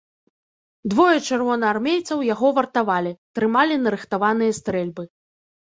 Двое чырвонаармейцаў яго вартавалі, трымалі нарыхтаваныя стрэльбы.